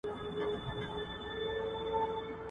معلم صاحب زموږ پاڼه وړاندي کوي.